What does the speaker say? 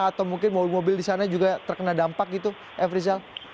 atau mungkin mobil mobil di sana juga terkena dampak gitu f rizal